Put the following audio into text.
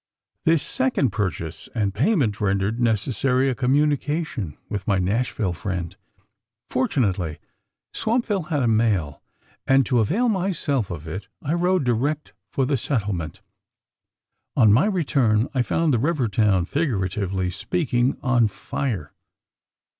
This second purchase and payment rendered necessary a communication with my Nashville friend. Fortunately, Swampville had a mail; and, to avail myself of it, I rode direct for the settlement. On my return, I found the river town, figuratively speaking, on fire.